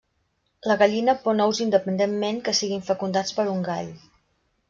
La gallina pon ous independentment que siguin fecundats per un gall.